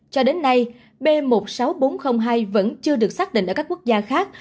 cho đến nay b một mươi sáu nghìn bốn trăm linh hai vẫn chưa được xác định ở các quốc gia khác